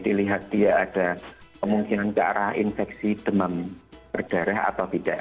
dilihat dia ada kemungkinan ke arah infeksi demam berdarah atau tidak